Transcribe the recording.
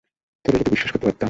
তোরে যদি বিশ্বাস করতে পারতাম!